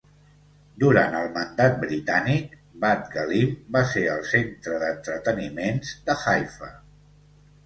Durant el Mandat Britànic, Bat Galim va ser el centre d'entreteniments de Haifa.